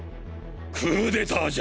クーデターじゃ。